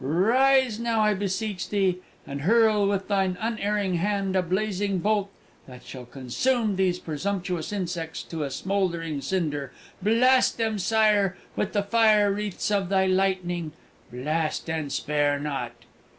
Rise now, I beseech thee, and hurl with thine unerring hand a blazing bolt that shall consume these presumptuous insects to a smoking cinder! Blast them, Sire, with the fire wreaths of thy lightning! blast, and spare not!"